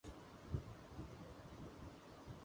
Their father was a linotypist.